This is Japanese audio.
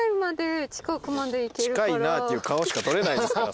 近いなっていう顔しか撮れないですから